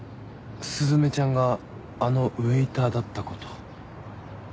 雀ちゃんがあのウエーターだったこと。